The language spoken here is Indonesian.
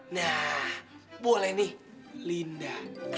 nah boleh nih linda